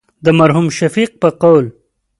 د مرحوم شفیق په قول.